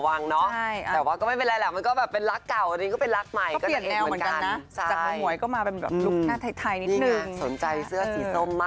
๒อัน๒พันอะไรอย่างนี้